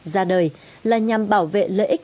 ra đời là nhằm bảo vệ lợi ích